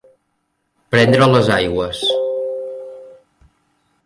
Prendre les aigües.